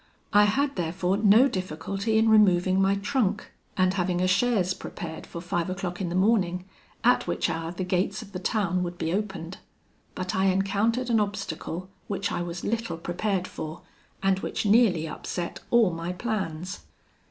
I had, therefore, no difficulty in removing my trunk, and having a chaise prepared for five o'clock in the morning, at which hour the gates of the town would be opened; but I encountered an obstacle which I was little prepared for, and which nearly upset all my plans.